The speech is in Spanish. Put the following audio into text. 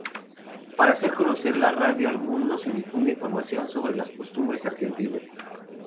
Para hacer conocer la radio al mundo, se difunde información sobre las costumbres argentinas.